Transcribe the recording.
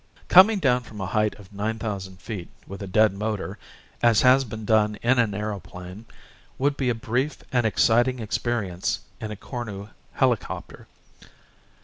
Coming down from a height of 9,000 feet with a dead motor, as has been done in an aeroplane, would be a brief and exciting experience in a Cornu helicopter.